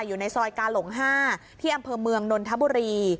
อยู่ในซอยกาหลง๕ที่อำเภอเมืองนนทบุรี